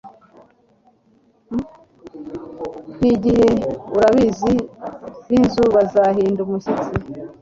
n'igihe abarinzi b'inzu bazahinda umushyitsi